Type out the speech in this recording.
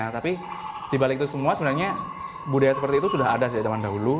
tapi dibalik itu semua sebenarnya budaya seperti itu sudah ada sejak zaman dahulu